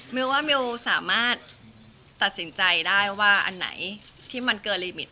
ว่ามิวสามารถตัดสินใจได้ว่าอันไหนที่มันเกินลิมิต